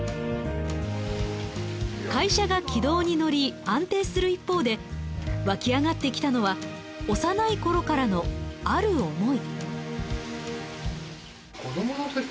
会社が軌道に乗り安定する一方で湧き上がってきたのは幼いころからのある思い。